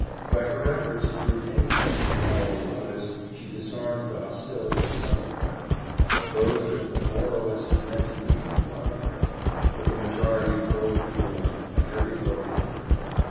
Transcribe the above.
By her efforts to do anything in her power for others she disarmed the hostility of some of the women, and those that were more or less demented became fond of her; but the majority probed her wound by every look and word.